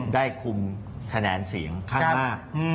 ได้คุมคะแนนเสียงข้างมาก